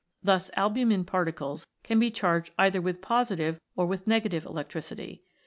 Thus albumin particles can be charged either with positive or with negative electricity.